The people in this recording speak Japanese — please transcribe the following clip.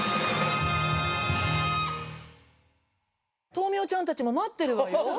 豆苗ちゃんたちも待ってるわよ。